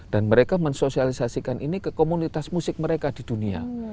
dan mereka mensosialisasikan ini ke komunitas musik mereka di dunia